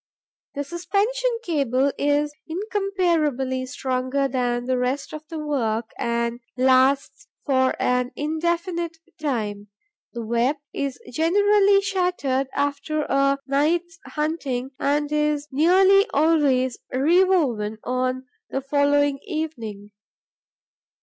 The suspension cable is incomparably stronger than the rest of the work and lasts for an indefinite time. The web is generally shattered after the night's hunting and is nearly always rewoven on the following evening.